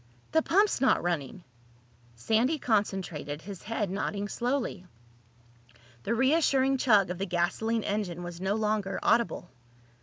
"The pump's not running!" Sandy concentrated, his head nodding slowly. The reassuring chug of the gasoline engine was no longer audible.